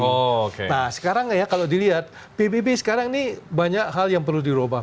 nah sekarang ya kalau dilihat pbb sekarang ini banyak hal yang perlu dirubah